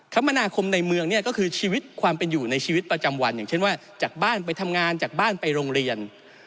คมนาคมในเมืองเนี่ยก็คือชีวิตความเป็นอยู่ในชีวิตประจำวันอย่างเช่นว่าจากบ้านไปทำงานจากบ้านไปโรงเรียน